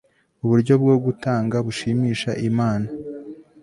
uburyo bwo gutanga bushimisha imana